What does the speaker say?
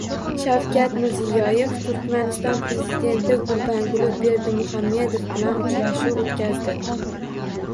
Shavkat Mirziyoyev Turkmaniston prezidenti Gurbanguli Berdimuhamedov bilan uchrashuv o‘tkazdi